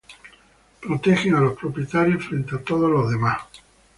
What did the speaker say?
protegen a los propietarios frente a todos los demás